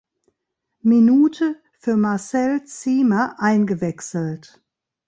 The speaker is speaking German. Minute für Marcel Ziemer eingewechselt.